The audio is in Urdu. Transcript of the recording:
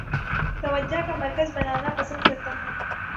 توجہ کا مرکز بننا پسند کرتا ہوں